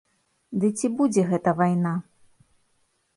Ды ці будзе гэта вайна?